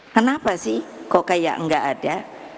kenapa sih kok kayak nggak ada